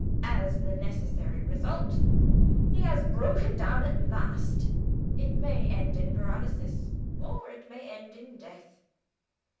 As the necessary result, he has broken down at last. It may end in paralysis, or it may end in death."